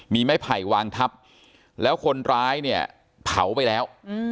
มีไม้ไผ่วางทับแล้วคนร้ายเนี่ยเผาไปแล้ว